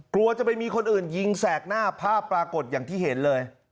กลัวจะไปมีคนอื่นยิงแสกหน้าภาพปรากฏอย่างที่เห็นเลย